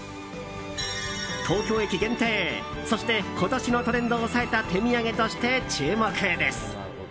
東京駅限定、そして今年のトレンドを押さえた手土産として注目です。